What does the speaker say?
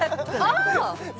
ああ！